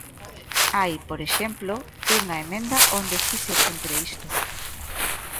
Hai, por exemplo, unha emenda onde si se cumpre isto.